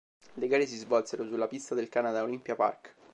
Le gare si svolsero sulla pista del "Canada Olympia Parc".